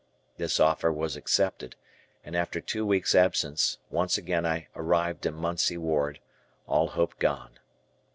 This offer was accepted, and after two weeks' absence, once again I arrived in Munsey Ward, all hope gone.